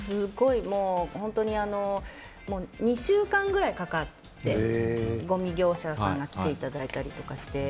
本当に、２週間くらいかかってごみ業者さんに来ていただいたりして。